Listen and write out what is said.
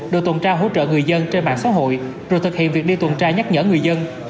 đội tuần tra hỗ trợ người dân trên mạng xã hội rồi thực hiện việc đi tuần tra nhắc nhở người dân